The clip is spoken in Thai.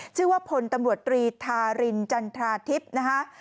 ชื่อว่าพลตำรวจตรีทารินจันทราทิพย์นะคะ